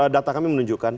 data kami menunjukkan